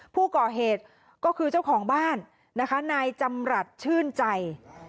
ผู้ก่อเหตุก็คือเจ้าของบ้านนะคะนายจำรัฐชื่นใจ